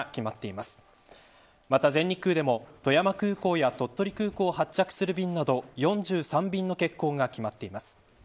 また全日空でも富山空港や鳥取空港を発着する便など４３便の欠航が決まっています。